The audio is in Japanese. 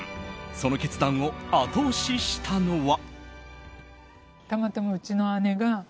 その決断を、後押ししたのは。